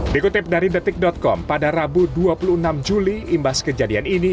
dikutip dari detik com pada rabu dua puluh enam juli imbas kejadian ini